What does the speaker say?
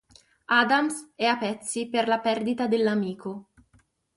Adams è a pezzi per la perdita dell'amico.